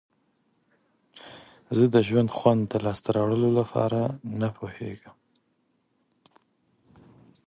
زه د ژوند خوند د لاسته راوړلو لپاره نه پوهیږم.